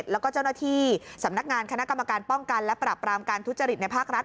แล้วก็เจ้าหน้าที่สำนักงานคณะกรรมการป้องกันและปรับรามการทุจริตในภาครัฐ